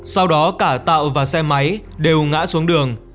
sau đó cả tạo và xe máy đều ngã xuống đường